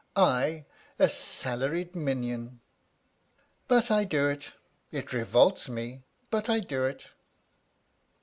I a salaried minion! But I do it! It revolts me, but I do it!